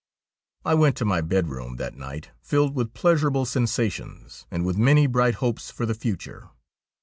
I went to my bedroom that night filled with pleasurable sensations and with many bright hopes for the future.